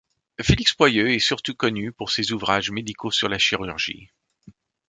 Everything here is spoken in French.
Félix Poilleux est surtout connu pour ces ouvrages médicaux sur la chirurgie.